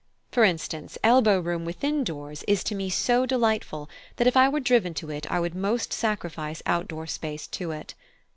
For instance, elbow room within doors is to me so delightful that if I were driven to it I would most sacrifice outdoor space to it.